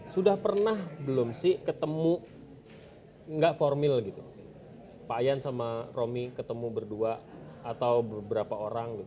sudah pernah belum sih ketemu nggak formil gitu pak yan sama romi ketemu berdua atau beberapa orang